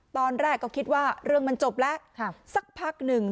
ตอนแรกก็คิดว่าเรื่องมันจบแล้วสักพักหนึ่ง